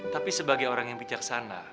tapi sebagai orang yang bijaksana